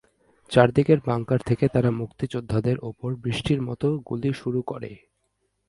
চারদিকের bunker থেকে তারা মুক্তিযোদ্ধাদের ওপর বৃষ্টির মতো গুলি শুরু করে।